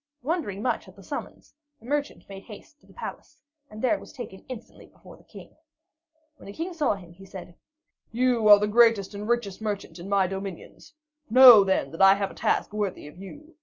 Wondering much at the summons, the merchant made haste to the palace, and was there taken instantly before the King. When the King saw him, he said: "You are the greatest and richest merchant in my dominions. Know, then, that I have a task worthy of you.